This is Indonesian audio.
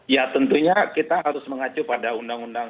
ya tentunya kita harus mengacu pada undang undang